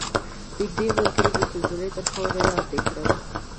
نږدې ملګرې مې زلزلې تر خاورو لاندې کړل.